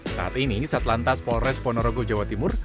saat ini satlantas polres ponorogo jawa timur